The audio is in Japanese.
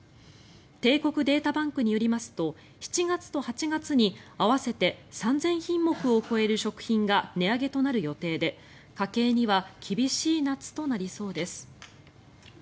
帝国データバンクによりますと７月と８月に合わせて３０００品目を超える食品が値上げとなる予定で家計には厳しい夏となりそうです。